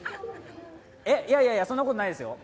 えっ、いやいや、そんなことないですよ。